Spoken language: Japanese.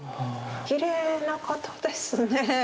きれいな方ですね。